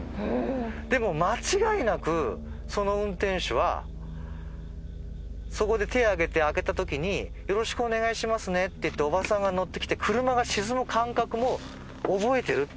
でも間違いなくその運転手はそこで手上げて開けたときによろしくお願いしますねっておばさんが乗ってきて車が沈む感覚も覚えてるっていうんですよ。